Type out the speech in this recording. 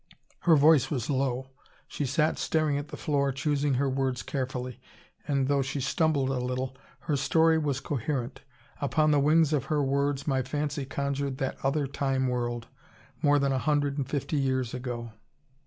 Her voice was low. She sat staring at the floor, choosing her words carefully; and though she stumbled a little, her story was coherent. Upon the wings of her words my fancy conjured that other Time world, more than a hundred and fifty years ago.